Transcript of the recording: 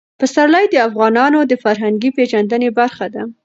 پسرلی د افغانانو د فرهنګي پیژندنې برخه ده.